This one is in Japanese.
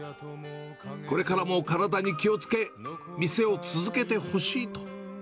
これからも体に気をつけ、店を続けてほしいと。